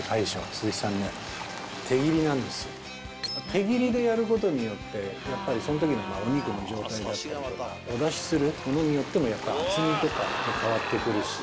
手切りでやることによってその時のお肉の状態だったりお出しするものによっても厚みとか変わってくるし。